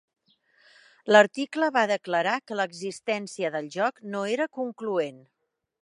L'article va declarar que l'existència del joc "no era concloent".